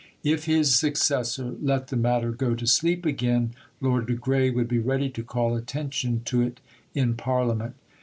If his successor let the matter go to sleep again, Lord de Grey would be ready to call attention to it in Parliament.